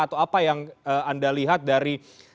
atau apa yang anda lihat dari